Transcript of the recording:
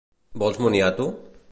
Vols moniato?